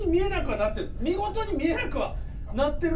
見事に見えなくはなってる。